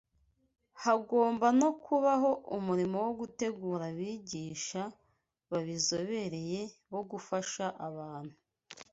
hagomba no kubaho umurimo wo gutegura abigisha babizobereye bo gufasha abantu.